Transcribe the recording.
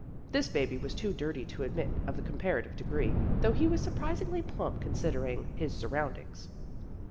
This baby was too dirty to admit of the comparative degree, though he was surprisingly plump considering ois surroundings.